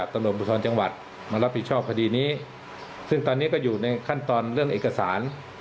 ก็พอดีนี้ซึ่งตอนนี้ก็อยู่ในขั้นตอนเรื่องเอกสาร